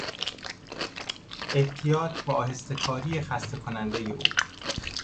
احتیاط و آهسته کاری خسته کنندهی او